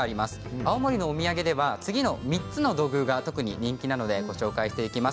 青森のお土産では次の３つの土偶が特に人気なのでご紹介していきます。